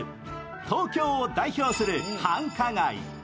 東京を代表する繁華街。